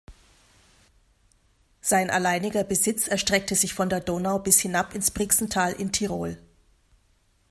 Sein alleiniger Besitz erstreckte sich von der Donau bis hinab ins Brixental in Tirol.